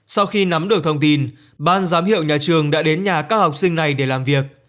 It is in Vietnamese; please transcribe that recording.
sau khi nắm được thông tin ban giám hiệu nhà trường đã đến nhà các học sinh này để làm việc